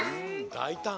だいたん。